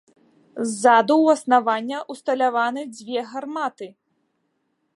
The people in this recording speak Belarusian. Ззаду ў аснавання ўсталяваны дзве гарматы.